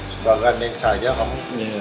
sebagian neng saja kamu